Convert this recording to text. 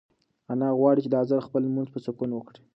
انا غواړي چې دا ځل خپل لمونځ په سکون وکړي.